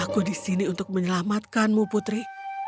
aku di sini untuk menyelamatkanmu putri